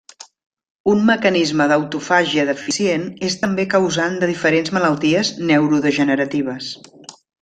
Un mecanisme d'autofàgia deficient és també causant de diferents malalties neurodegeneratives.